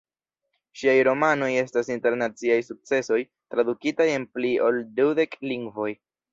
Ŝiaj romanoj estas internaciaj sukcesoj, tradukitaj en pli ol dudek lingvoj.